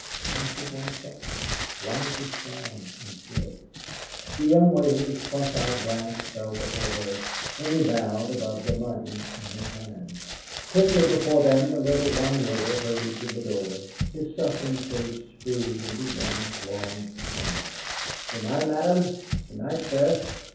Why should one suffer? Life is strong and good!' The young waiter's cross eyed glance fell before her, and he bowed above the money in his hand. Quickly before them the little wine waiter hurried to the door, his suffering face screwed into one long smile. "Good night, madam; good night, sir.